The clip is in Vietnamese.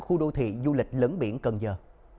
khu đô thị du lịch lớn biển cần giờ